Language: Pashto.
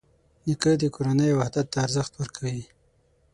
نیکه د کورنۍ وحدت ته ارزښت ورکوي.